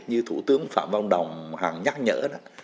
như thủ tướng phạm văn đồng hàng nhắc nhở